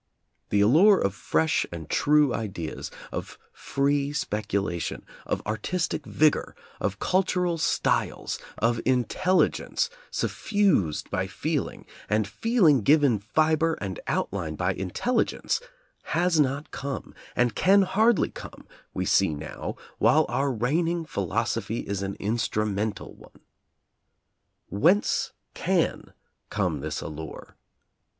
The allure of fresh and true ideas, of free speculation, of ar tistic vigor, of cultural styles, of intelligence suf fused by feeling, and feeling given fiber and out line by intelligence, has not come, and can hardly come, we see now, while our reigning philosophy is an instrumental one. Whence can come this allure?